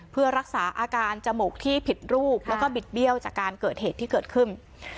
เพื่อรักษาอาการจมูกที่ผิดรูปแล้วก็บิดเบี้ยวจากการเกิดเหตุที่เกิดขึ้น